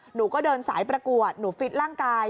หนูก็เดินสายประกวดหนูฟิตร่างกาย